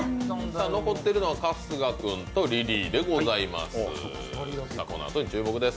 残ってるのは春日君とリリーでございます。